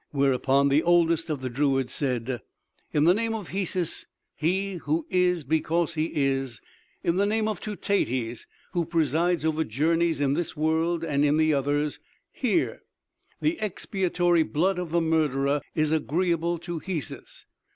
Whereupon the oldest of the druids said: "'In the name of Hesus, He who is because he is, in the name of Teutates, who presides over journeys in this world and in the others, hear: The expiatory blood of the murderer is agreeable to Hesus....